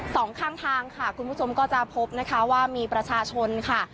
สองข้างทางค่ะคุณผู้ชมก็จะพบนะคะว่ามีประชาชนค่ะ